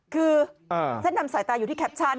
คือเส้นนำสายตาอยู่ที่แคปชั่น